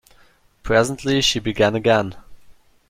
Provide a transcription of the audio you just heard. Presently she began again.